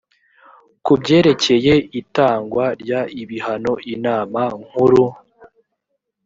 ku byerekeye itangwa ry ibihano inama nkuru